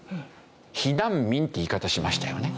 「避難民」って言い方をしましたよね。